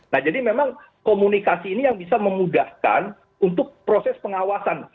nah jadi memang komunikasi ini yang bisa memudahkan untuk proses pengawasan